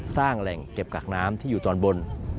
สร้างแหล่งเก็บกักน้ำที่อยู่ตอนบน